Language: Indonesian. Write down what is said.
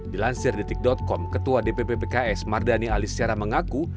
dilansir di tik com ketua dpp pks mardhani alisera mengaku